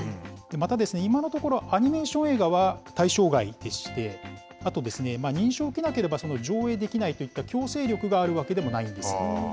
また、今のところ、アニメーション映画は対象外でして、あと認証を受けなければ、上映できないといった強制力があるわけでもないんですね。